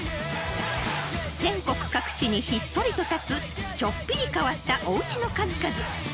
［全国各地にひっそりと立つちょっぴり変わったおうちの数々］